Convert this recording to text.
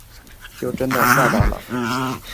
就真的吓到了